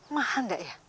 mahal ndak ya